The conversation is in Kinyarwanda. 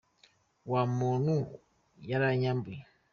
Wa muntu yaranyambuye